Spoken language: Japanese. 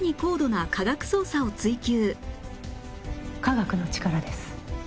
科学の力です。